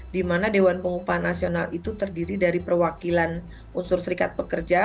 di mana dewan pengupahan nasional itu terdiri dari perwakilan unsur serikat pekerja